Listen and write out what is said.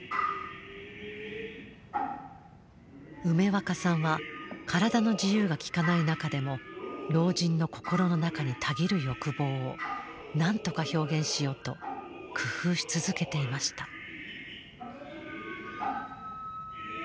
梅若さんは体の自由がきかない中でも老人の心の中にたぎる欲望をなんとか表現しようと工夫し続けていました。